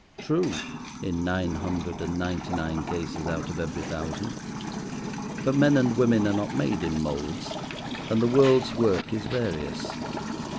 True, in nine hundred and ninety nine cases out of every thousand, but men and women are not made in moulds, and the world's work is various.